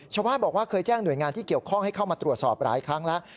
ชาวบ้านบอกว่าเคยแจ้งหน่วยงานที่เกี่ยวข้องให้เข้ามาตรวจสอบหลายครั้งแล้ว